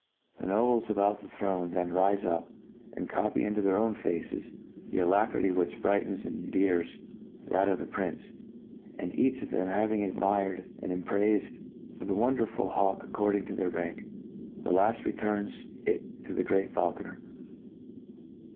The nobles about the throne then rife up, and copy into their own faces, the alacrity which, brightens and endears that of the priijce; and each of them having admired and praifed the wonderful hawk according their rank, the laft returns it to .the Grfeat Faulconer.